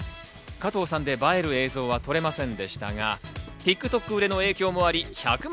加藤さんで映える映像は撮れませんでしたがＴｉｋＴｏｋ売れの影響もあり１００万